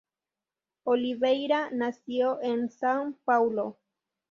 Oliveira nació en São Paulo.